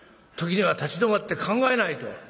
時には立ち止まって考えないと。